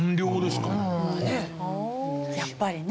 やっぱりね。